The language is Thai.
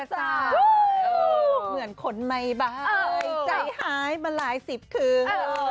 เหมือนคนไม่บายใจหายมาหลายสิบคืน